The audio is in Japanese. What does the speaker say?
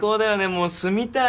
もう住みたい。